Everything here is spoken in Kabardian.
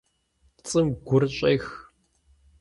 ПцIым гур щIех.